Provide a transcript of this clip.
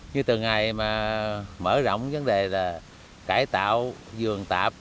như từ ngày mà mở rộng vấn đề là cải tạo vườn tạp